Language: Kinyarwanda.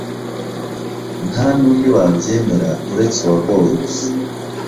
Ntanundi wabyemera uretse uwagowe gusa